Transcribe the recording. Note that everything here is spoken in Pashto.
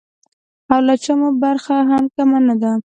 او له چا مو برخه هم کمه نه ده.